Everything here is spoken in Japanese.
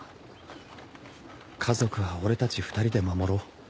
家族は俺たち２人で守ろう。